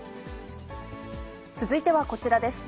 続いてはこちらです。